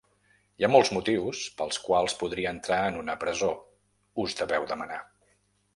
Hi ha molts motius pels quals podria entrar en una presó, us deveu demanar.